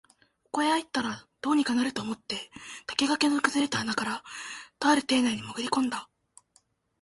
ここへ入ったら、どうにかなると思って竹垣の崩れた穴から、とある邸内にもぐり込んだ